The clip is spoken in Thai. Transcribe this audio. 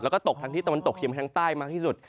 แล้วก็ตกทางที่ตะวันตกเชียงทางใต้มากที่สุด